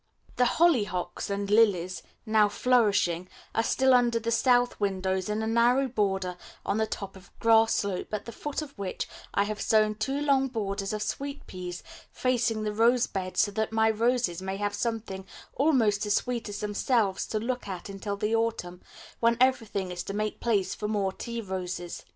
The hollyhocks and lilies (now flourishing) are still under the south windows in a narrow border on the top of a grass slope, at the foot of which I have sown two long borders of sweetpeas facing the rose beds, so that my roses may have something almost as sweet as themselves to look at until the autumn, when everything is to make place for more tea roses.